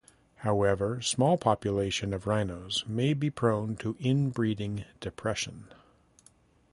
However, small population of rhinos may be prone to inbreeding depression.